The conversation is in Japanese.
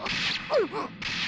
うっ！